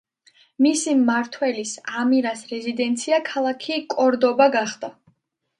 მისი მმართველის ამირას რეზიდენცია ქალაქი კორდობა გახდა.